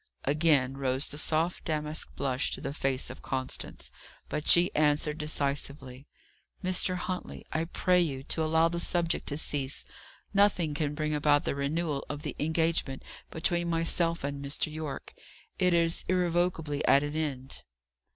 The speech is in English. Again rose the soft damask blush to the face of Constance. But she answered decisively. "Mr. Huntley, I pray you to allow the subject to cease. Nothing can bring about the renewal of the engagement between myself and Mr. Yorke. It is irrevocably at an end."